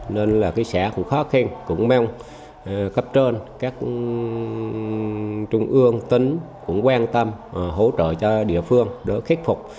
nên xã cũng khó khăn cũng mong cấp trơn các trung ương tính cũng quan tâm hỗ trợ cho địa phương để khích phục